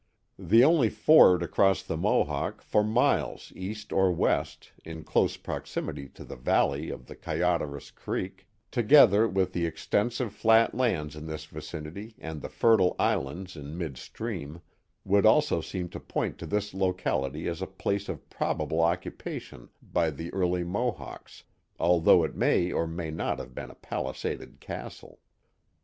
The only ford across the Mohawk for miles east, or west in close prox imity to the valley of the Kayaderos Creek, together with the extertslve flat lands in this Vicinity And feriile islands in mid stream, would also seem to point to this locality a^ a place of probable occupjitioii 1^ the early Mohawks, akhougli it may or riiay not have bedf a palisaded castle.